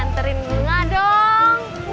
ntarin bunga dong